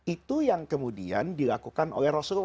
itu yang kemudian dilakukan oleh rasulullah